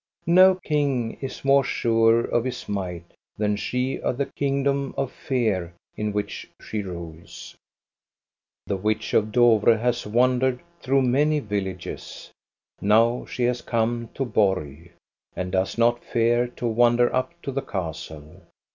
No king is more sure of his might than she of the kingdom of fear in which she rules. The witch of Dovre has wandered through many villages. Now she has come to Borg, and does not fear to wander up to the castle.